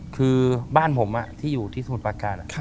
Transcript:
คือบ้านผมที่อยู่ที่สมุทรประการ